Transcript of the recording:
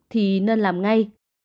thì nên làm ngay